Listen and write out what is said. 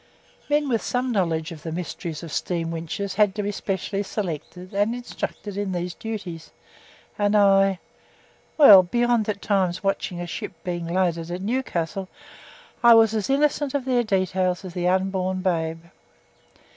Men with some knowledge of the mysteries of steam winches had to be specially selected and instructed in these duties, and I well, beyond at times watching a ship being loaded at Newcastle, I was as innocent of their details as the unborn babe.